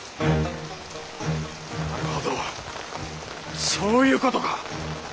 なるほどそういうことか。